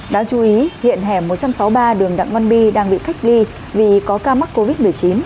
đáng chú ý hiện hẻm một trăm sáu mươi ba đường đặng văn my đang bị cách ly vì có ca mắc covid một mươi chín